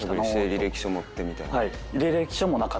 履歴書持ってみたいな？